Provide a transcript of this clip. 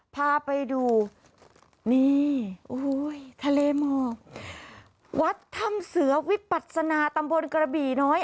พาไปดูนี่โอ้โหทะเลหมอกวัดถ้ำเสือวิปัศนาตำบลกระบี่น้อย